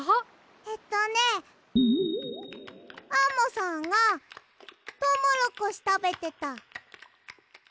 えっとねアンモさんがトウモロコシたべてた。